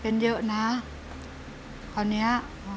แล้วตอนนี้พี่พากลับไปในสามีออกจากโรงพยาบาลแล้วแล้วตอนนี้จะมาถ่ายรายการ